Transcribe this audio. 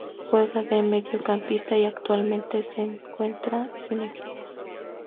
Juega de Mediocampista y actualmente se encuentra Sin Equipo.